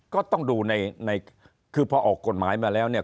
ก็ต้องดูในคือพอออกกฎหมายมาแล้วเนี่ย